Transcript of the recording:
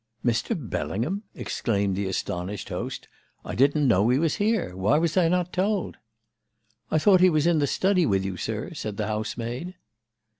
"'Mr. Bellingham!' exclaimed the astonished host. 'I didn't know he was here. Why was I not told?' "'I thought he was in the study with you, sir,' said the housemaid.